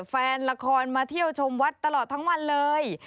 แฟนละครมาเที่ยวชมวัดตลอดทั้งวันเลย